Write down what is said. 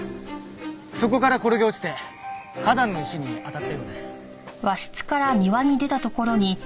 そこから転げ落ちて花壇の石に当たったようです。